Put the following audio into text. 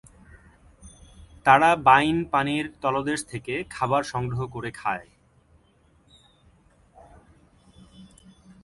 তারা বাইন পানির তলদেশ থেকে খাবার সংগ্রহ করে খায়।